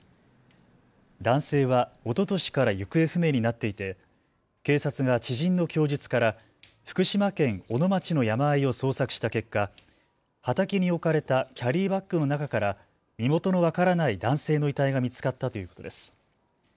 男性はおととしから行方不明になっていて警察が知人の供述から福島県小野町の山あいを捜索した結果、畑に置かれたキャリーバッグの中から身元の分からない男性の遺体が見つかったということです。